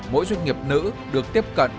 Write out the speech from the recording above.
mỗi doanh nghiệp nữ được tiếp cận